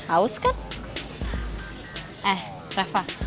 ternyata lu cukup pintar juga ya reva